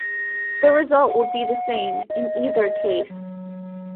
The result will be the same in either case.